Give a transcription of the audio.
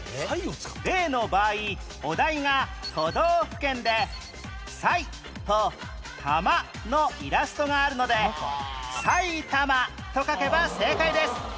例の場合お題が都道府県でサイと玉のイラストがあるので「埼玉」と書けば正解です